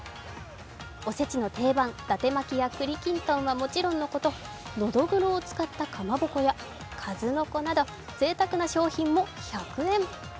お節の定番、伊達巻や栗きんとんはもちろんのこと、のどぐろを使ったかまぼこや数の子など、ぜいたくな商品も１００円。